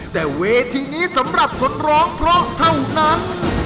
แต่เวทีนี้สำหรับคนร้องเพราะเท่านั้น